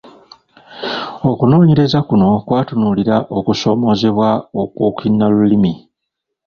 Okunoonyereza kuno kwatunuulira okusoomoozebwa okwo kinnalulimi.